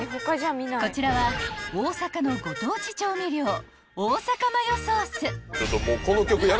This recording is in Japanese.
［こちらは大阪のご当地調味料］